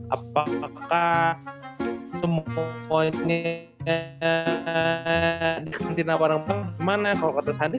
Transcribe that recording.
apakah semua poinnya eh mana kok kesan kemarin sih berarti sama kayak windows dua doh seneng tapi